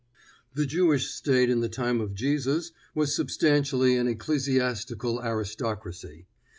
The Jewish State in the time of Jesus was substantially an ecclesiastical aristocracy.